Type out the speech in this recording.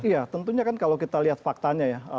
iya tentunya kan kalau kita lihat faktanya ya